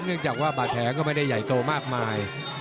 เนื่องจากว่าบาดแผลก็ไม่ได้ใหญ่โตมากมาย